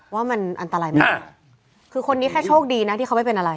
ว่ามันอันตรายมากคือคนนี้แค่โชคดีนะที่เขาไม่เป็นอะไร